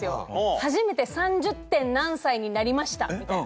初めて３０．何歳になりましたみたいな。